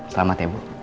selamat ya bu